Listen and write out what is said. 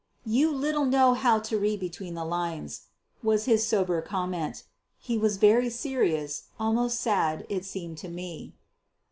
"You little know how to read between the lines," was his sober comment. He was very serious, almost sad, it seemed to me.